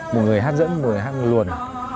một người hát dẫn một người hát luồn